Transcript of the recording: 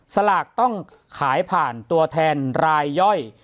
สลากต้องขายผ่านตัวแทนรายย่อย